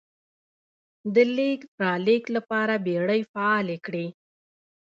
د لېږد رالېږد لپاره بېړۍ فعالې کړې.